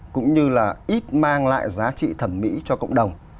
cũng như là ít mang lại giá trị thẩm mỹ cho cộng đồng